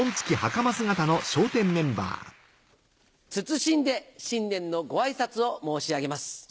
謹んで新年のご挨拶を申し上げます。